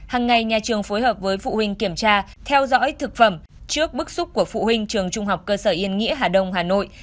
hằng ngày nhà trường phối hợp với phụ huynh kiểm tra theo dõi thực phẩm trước bức xúc của phụ huynh trường trung học cơ sở yên nghĩa hà đông hà nội